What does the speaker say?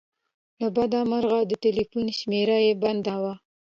له بده مرغه د ټیلیفون شمېره یې بنده وه.